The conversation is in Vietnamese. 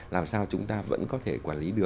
làm sao chúng ta vẫn có thể quản lý